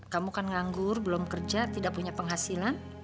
kamu kan nganggur belum kerja tidak punya penghasilan